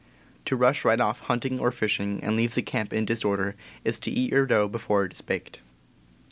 To rush right off hunting or fishing, and leave the camp in disorder, is to eat your dough before it is baked.